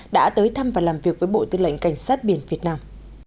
đã tới thăm và làm việc với bộ tư lệnh cảnh sát biển việt nam